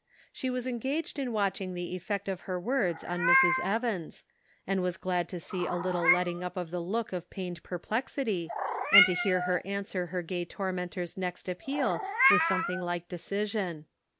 She was engaged in watching the effect of her words on Mrs. Evans, and was glad to see a little letting up of the look of pained perplexity, and to hear her answer her gay tormentor's next appeal with some thing like decision.